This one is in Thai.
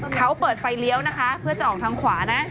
เขาเปิดไฟเลี้ยวนะคะเพื่อจะออกทางขวานะ